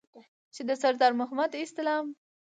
چې د سردار محمد اسلام